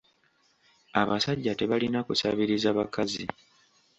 Abasajja tebalina kusabiriza bakazi.